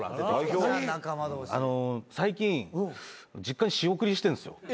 最近実家に仕送りしてんすよ。